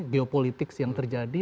geopolitik yang terjadi